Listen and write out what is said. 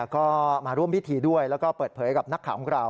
ก็มาร่วมพิธีด้วยแล้วก็เปิดเผยกับนักข่าวของเรา